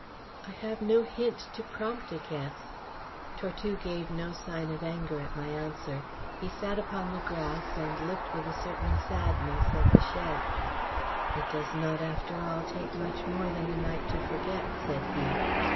"I have no hint to prompt a guess." Tortue gave no sign of anger at my answer. He sat upon the grass, and looked with a certain sadness at the shed. "It does not, after all, take much more than a night to forget," said he.